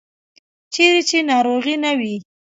چیرې چې ناروغي نه وي.